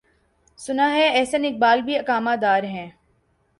سناہے احسن اقبال بھی اقامہ دارہیں۔